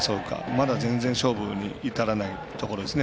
まだ、ぜんぜん勝負に至らないところですね。